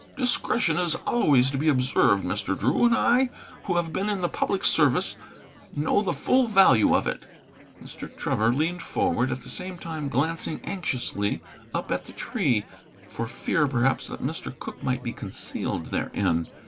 "Discretion is always to be observed, Mr. Drew. And I, who have been in the public service, know the full value of it." Mr. Trevor leaned forward, at the same time glancing anxiously up at the tree, for fear, perhaps, that Mr. Cooke might be concealed therein.